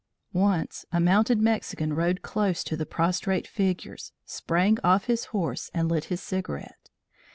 Once a mounted Mexican rode close to the prostrate figures, sprang off his horse and lit his cigarette.